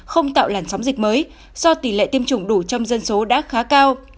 không tạo làn sóng dịch mới do tỷ lệ tiêm chủng đủ trong dân số đã khá cao